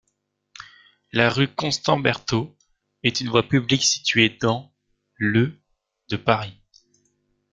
La rue Constant-Berthaut est une voie publique située dans le de Paris.